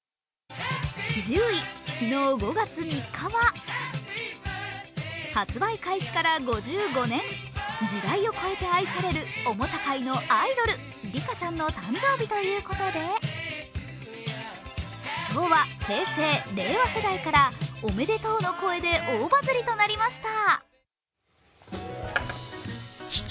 １０位、昨日、５月３日は発売開始から５５年、時代を超えて愛されるおもちゃ界のアイドル、リカちゃんの誕生日ということで、昭和、平成、令和世代からおめでとうの声で大バズりとなりました。